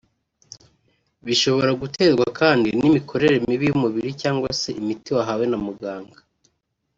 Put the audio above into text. bishobora guterwa kandi n’imikorere mibi y’umubiri cyangwa se imiti wahawe na muganga